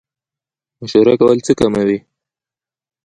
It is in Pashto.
مشوره کول څه کموي؟